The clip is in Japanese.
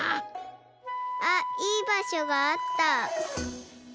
あっいいばしょがあった。